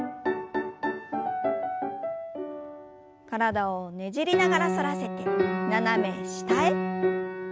体をねじりながら反らせて斜め下へ。